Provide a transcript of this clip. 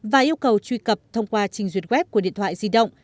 và yêu cầu truy cập thông qua trình duyệt web của điện thoại di động